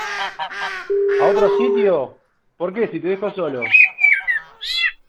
a otro sitio? porque si te dejo solo